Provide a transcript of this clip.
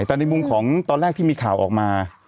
แต่ในมุมของตอนแรกที่มีข่าวออกมา